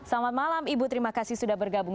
selamat malam ibu terima kasih sudah bergabung